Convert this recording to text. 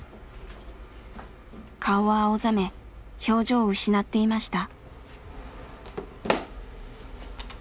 顔は青ざめ表情を失っていました。